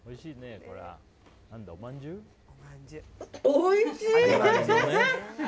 おいしい！